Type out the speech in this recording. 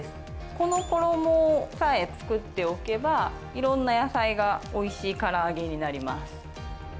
この衣さえ作っておけば色んな野菜がおいしい唐揚げになります